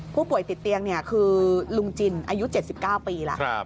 ผู้ป่วยติดเตียงคือลุงจินอายุ๗๙ปีแล้ว